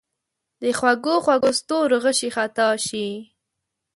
د خوږو، خوږو ستورو غشي خطا شي